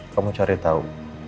kamu cari tau